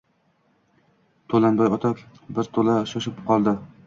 To‘lanboy ota birato‘la shoshib qoldi